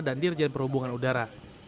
dan dirjen perhubungan udara